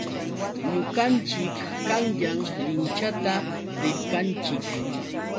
Ñuqanchik qanyan linchata rirqanchik.